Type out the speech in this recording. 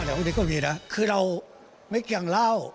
อะไรของนี้ก็มีนะ